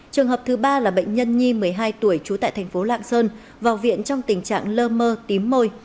trường hợp thứ ba là bệnh nhân nhi một mươi hai tuổi trú tại thành phố lạng sơn vào viện trong tình trạng lơ mơ tím môi